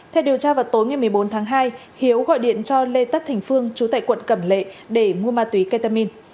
theo điều tra vào tối ngày một mươi bốn tháng hai hiếu gọi điện cho lê tất thành phương chú tại quận cẩm lệ để mua ma túy ketamin